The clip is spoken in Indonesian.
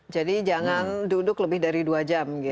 jadi jangan duduk lebih dari dua jam gitu